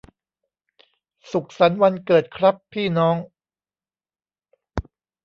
สุขสันต์วันเกิดครับพี่น้อง